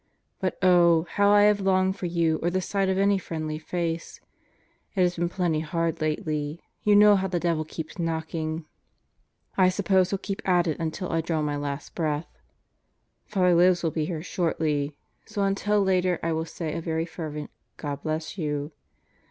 But oh, how I have longed for you or the sight of any friendly face. It has been plenty hard lately. You know how the devil keeps knocking. I suppose heTl keep at it until I draw my last breath. Father Libs will be here shortly. ... So until later I will say a very fervent God bless you.